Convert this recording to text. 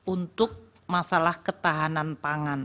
untuk masalah ketahanan pangan